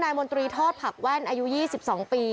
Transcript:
มนตรีทอดผักแว่นอายุ๒๒ปี